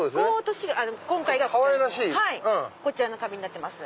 今回こちらの花瓶になってます。